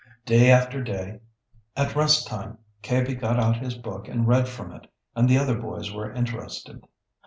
Day after day at rest time Kaiby got out his book and read from it, and the other boys were interested.